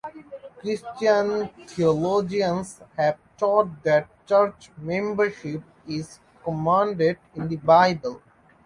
Christian theologians have taught that church membership is commanded in the Bible.